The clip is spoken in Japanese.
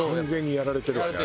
やられてるよね。